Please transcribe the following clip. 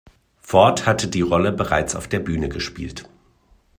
Ford hatte die Rolle bereits auf der Bühne gespielt.